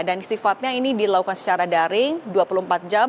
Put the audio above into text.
dan istifadanya ini dilakukan secara daring dua puluh empat jam